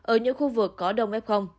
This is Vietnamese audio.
ở những khu vực có đông f